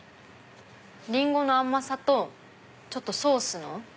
リンゴの甘さとちょっとソースの。